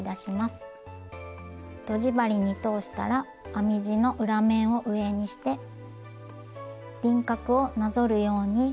とじ針に通したら編み地の裏面を上にして輪郭をなぞるように端の編み目に通します。